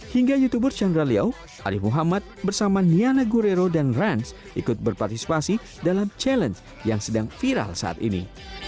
hingga youtuber chandra leo arief muhammad bersama niana gurero dan rans ikut berpartisipasi dalam challenge yang sedang viral saat ini